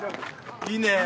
いいねえ。